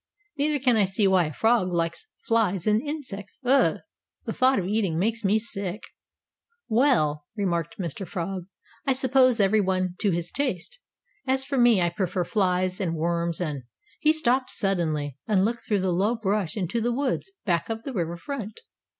"Neither can I see why a frog likes flies and insects. Ugh! The thought of eating them makes me sick." "Well," remarked Mr. Frog, "I suppose every one to his taste. As for me, I prefer flies and worms, and " He stopped suddenly, and looked through the low brush into the woods back of the river front.